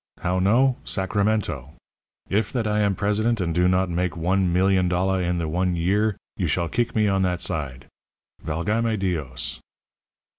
How no? Sacramento! If that I am president and do not make one meelion dolla in the one year you shall keek me on that side! _valgame Dios!